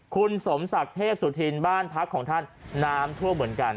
คุณสมศักดิ์เทพสุธินบ้านพักของท่านน้ำท่วมเหมือนกัน